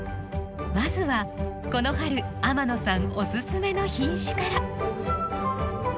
まずはこの春天野さんおすすめの品種から。